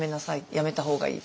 やめた方がいい。